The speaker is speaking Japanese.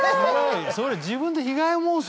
それ自分で。